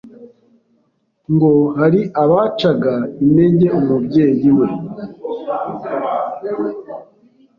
Ngo hari abacaga intege umubyeyi we